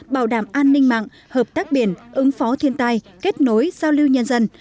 bảo đảm an ninh mạng hợp tác biển ứng phó thiên tai kết nối giao lưu nhân dân